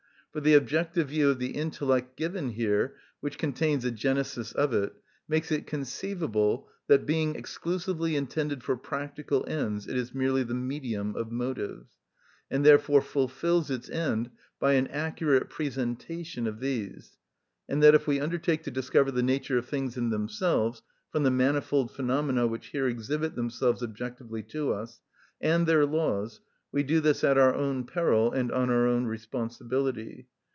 For the objective view of the intellect given here, which contains a genesis of it, makes it conceivable that, being exclusively intended for practical ends, it is merely the medium of motives, and therefore fulfils its end by an accurate presentation of these, and that if we undertake to discover the nature of things in themselves, from the manifold phenomena which here exhibit themselves objectively to us, and their laws, we do this at our own peril and on our own responsibility.